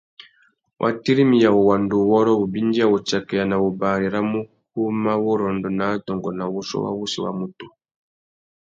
Wa tirimiya wuwanduwôrrô, wubindiya, wutsakeya na wubari râ mukú mà wurrôndô nà adôngô nà wuchiô wa wussi wa MUTU.